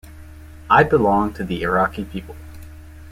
I belong to the Iraqi people.